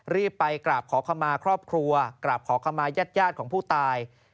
รีบไปกราบขอขมาครอบครัวกราบขอขมาญาติยาดของผู้ตาย